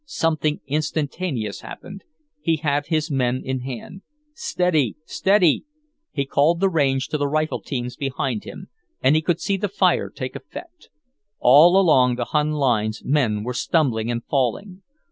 Something instantaneous happened; he had his men in hand. "Steady, steady!" He called the range to the rifle teams behind him, and he could see the fire take effect. All along the Hun lines men were stumbling and falling.